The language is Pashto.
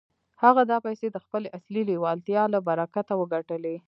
هغه دا پيسې د خپلې اصلي لېوالتيا له برکته وګټلې.